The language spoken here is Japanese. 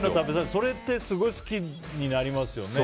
それってすごい好きになりますよね。